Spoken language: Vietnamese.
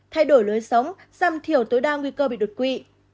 thay đổi lưới sống giảm thiểu tối đa nguy cơ bị đột quỷ